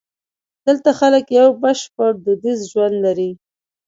دلته خلک یو بشپړ دودیز ژوند لري.